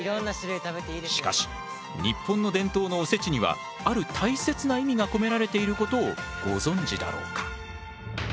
しかし日本の伝統のおせちにはある大切な意味が込められていることをご存じだろうか。